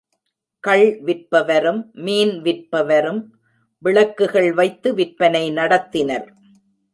கள் விற்பவரும், மீன் விற்பவரும் விளக்குகள் வைத்து விற்பனை நடத்தினர்.